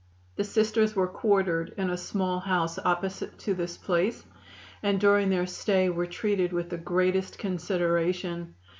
The Sisters were quartered in a small house opposite to this place, and during their stay were treated with the greatest consideration.